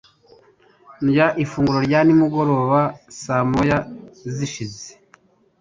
Ndya ifunguro rya nimugoroba saa moya zishize.